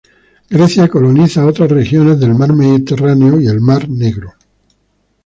Grecia coloniza otras regiones del mar Mediterráneo y el mar Negro.